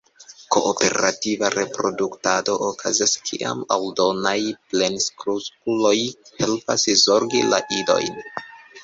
Kooperativa reproduktado okazas kiam aldonaj plenkreskuloj helpas zorgi la idojn.